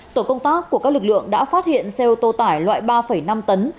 tổ công tác của các lực lượng đã phát hiện xe ô tô tải loại ba năm tấn